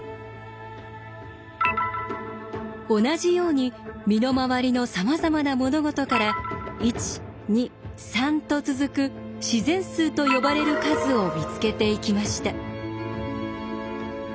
同じように身の回りのさまざまな物事から「１２３」と続く自然数と呼ばれる数を見つけていきました。